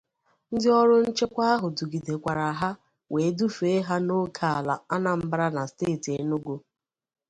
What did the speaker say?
Ndị ọrụ nchekwa ahụ dugidekwara ha wee defèé ha n'ókè ala Anambra na steeti Enugu